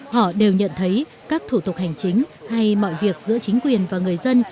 họ đều nhận thấy các thủ tục hành chính hay mọi việc giữa chính quyền và người dân